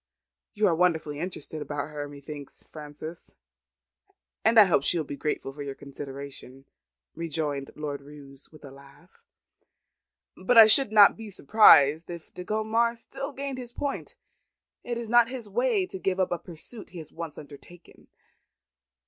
"You are wonderfully interested about her, methinks, Frances; and I hope she will be grateful for your consideration," rejoined Lord Roos, with a laugh. "But I should not be surprised if De Gondomar still gained his point. It is not his way to give up a pursuit he has once undertaken.